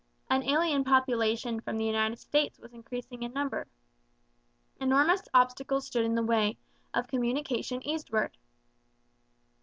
An alien population from the United States was increasing in number. Enormous obstacles stood in the way of communication eastward.